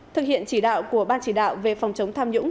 thực hiện chỉ đạo của ban chỉ đạo về phòng chống tham nhũng